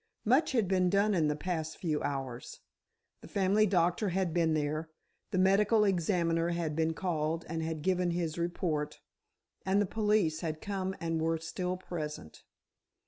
Much had been done in the past few hours. The family doctor had been there, the medical examiner had been called and had given his report, and the police had come and were still present.